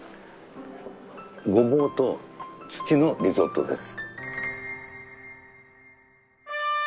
ごぼうと土のリゾットです。